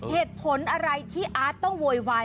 เหตุผลอะไรที่อาร์ตต้องโวยวาย